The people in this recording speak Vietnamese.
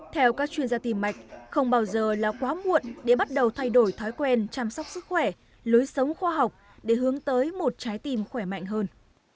theo các chuyên gia tim mạch không bao giờ là quá muộn để bắt đầu thay đổi thói quen chăm sóc sức khỏe lối sống khoa học để hướng tới một trái tim khỏe mạnh hơn